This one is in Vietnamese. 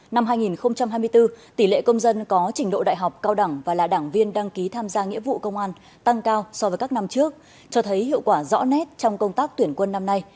năm hai nghìn hai mươi bốn tỷ lệ công dân có trình độ đại học cao đẳng và là đảng viên đăng ký tham gia nghĩa vụ công an tăng cao so với các năm trước cho thấy hiệu quả rõ nét trong công tác tuyển quân năm nay